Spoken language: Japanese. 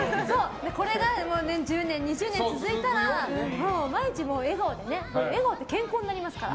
これが１０年２０年続いたら毎日笑顔で健康になりますから。